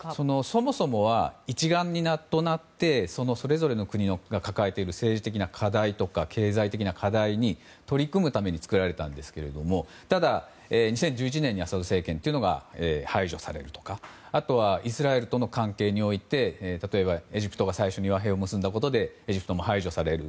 そもそもは一丸となってそれぞれの国が抱えている政治的な課題とか経済的な課題に取り組むために作られたんですがただ、２０１１年にアサド政権が排除されるとかあとはイスラエルとの関係において例えば、エジプトが最初に和平を結んだことでエジプトも排除される。